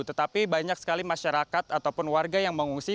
tetapi banyak sekali masyarakat ataupun warga yang mengungsi